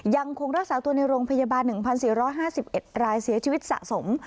ยังคงรักษาตัวในโรงพยาบาล๑๔๕๑รายเสียชีวิตสะสม